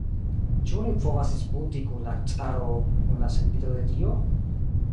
Ĉu oni povas disputi kun la caro, kun la sendito de Dio?